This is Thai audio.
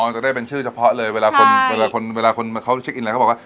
จะได้เป็นชื่อเฉพาะเลยเวลาคนเวลาคนเวลาคนมาเขาเช็คอินอะไรเขาบอกว่า